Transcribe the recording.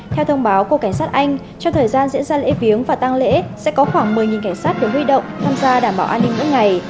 theo thông báo của cảnh sát anh trong thời gian diễn ra lễ viếng và tăng lễ sẽ có khoảng một mươi cảnh sát được huy động tham gia đảm bảo an ninh mỗi ngày